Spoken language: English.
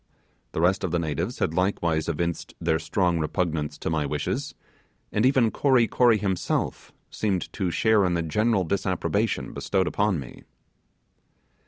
The rest of the natives had likewise evinced their strong repugnance to my wishes, and even Kory Kory himself seemed to share in the general disapprobation bestowed upon me.